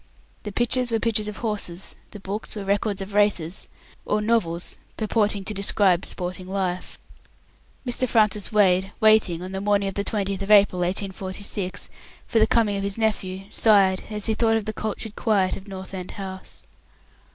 The pictures were pictures of horses, the books were records of races, or novels purporting to describe sporting life. Mr. Francis Wade, waiting, on the morning of the 20th April, for the coming of his nephew, sighed as he thought of the cultured quiet of North End House.